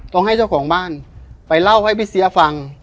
ต้องให้เจ้าของบ้านไปเล่าให้พี่เสียฟัง